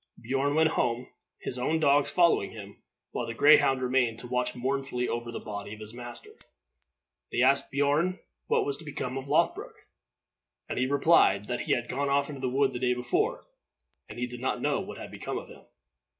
Beorn went home, his own dogs following him, while the greyhound remained to watch mournfully over the body of his master. They asked Beorn what was become of Lothbroc, and he replied that he had gone off into the wood the day before, and he did not know what had become of him.